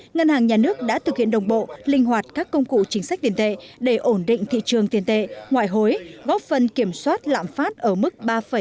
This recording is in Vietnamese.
ngân hàng nhà nước đã thực hiện đồng bộ linh hoạt các công cụ chính sách tiến tệ để ổn định thị trường tiến tệ ngoại hối góp phần kiểm soát lãm phát ở mức ba năm mươi bốn